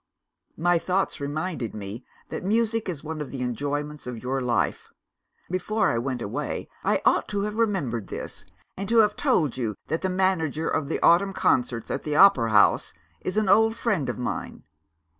"My thoughts reminded me that music is one of the enjoyments of your life. Before I went away, I ought to have remembered this, and to have told you that the manager of the autumn concerts at the opera house is an old friend of mine.